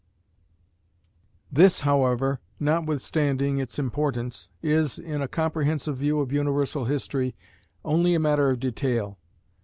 This, however, notwithstanding its importance, is, in a comprehensive view of universal history, only a matter of detail.